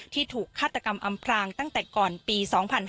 ถูกฆาตกรรมอำพรางตั้งแต่ก่อนปี๒๕๕๙